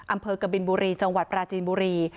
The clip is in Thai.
อำเภอกบินบุรีจังหวัดปราจีนบุรี